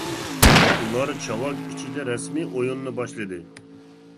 ئۇلار چاۋاك ئىچىدە رەسمىي ئويۇننى باشلىدى.